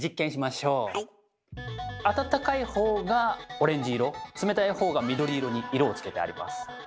あたたかいほうがオレンジ色冷たいほうが緑色に色をつけてあります。